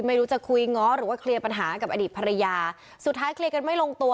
ไม่รู้จะคุยง้อหรือว่าเคลียร์ปัญหากับอดีตภรรยาสุดท้ายเคลียร์กันไม่ลงตัว